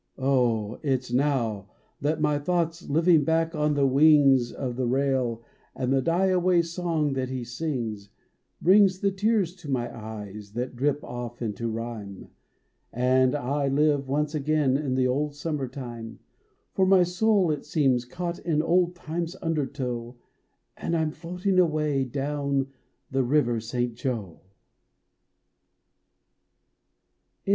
Oh ! its now that niv thoughts, living back on the wings Of the rail and the die away song that he sings, 1 {rings the tears to my eves that drip off into rhvme And 1 live once again in the old summer time, 1 or my soul it seems caught in old time s under low And I m floating awav down the River St. Joe.